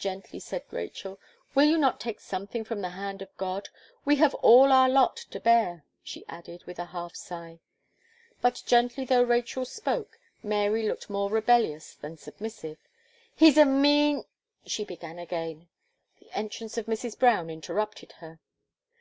gently said Rachel, "will you not take something from the hand of God! We have all our lot to bear," she added, with a half sigh. But gently though Rachel spoke, Mary looked more rebellious than submissive. "He's a mean " she began again; the entrance of Mrs. Brown interrupted her.